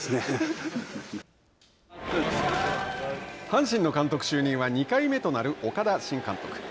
阪神の監督就任は２回目となる岡田新監督。